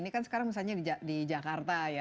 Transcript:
ini kan sekarang misalnya di jakarta ya